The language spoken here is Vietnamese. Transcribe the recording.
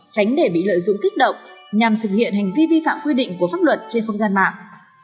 tránh để bị lợi dụng kích động nhằm thực hiện hành vi vi phạm quy định của pháp luật trên không gian mạng